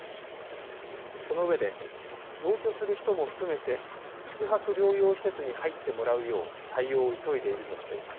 そのうえで同居する人も含めて宿泊療養施設に入ってもらうよう対応を急いでいるとしています。